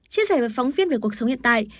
chia sẻ với phóng viên về cuộc sống hiện tại